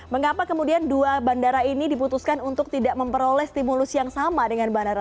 mengapa kemudian dua bandara ini diputuskan untuk tidak memperoleh stimulus yang sama dengan bandara